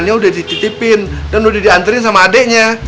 paku paku dicabutin dong